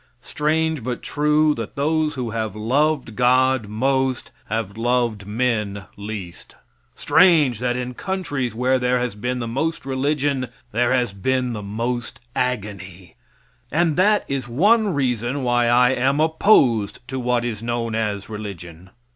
Strange, but true, that those who have loved God most have loved men least; strange that in countries where there has been the most religion there has been the most agony; and that is one reason why I am opposed to what is known as religion.